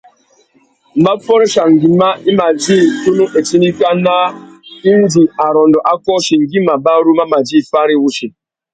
Mbaffôréchia nguimá i mà djï tunu itindikana indi arrôndô a kôchi ngüi mabarú mà djï fari wussi.